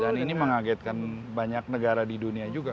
dan ini mengagetkan banyak negara di dunia juga